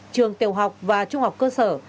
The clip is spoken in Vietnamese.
trường tiều học và trung học cơ sở